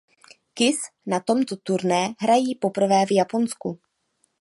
Kiss na tomto turné hrají poprvé v Japonsku.